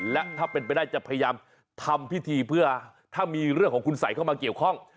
และถ้าเป็นไปได้จะพยายามทำพิธีเพื่อถ้ามีเรื่องของคุณสัยเข้ามาเกี่ยวข้อง